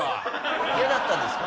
嫌だったんですか？